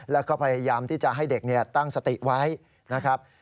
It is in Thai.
แล้วก็พยายามที่จะให้เด็กตั้งสติไว้นะครับ